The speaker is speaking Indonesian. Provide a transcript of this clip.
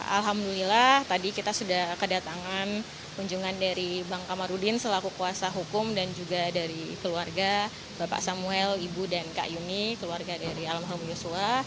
alhamdulillah tadi kita sudah kedatangan kunjungan dari bang kamarudin selaku kuasa hukum dan juga dari keluarga bapak samuel ibu dan kak yuni keluarga dari almarhum yosua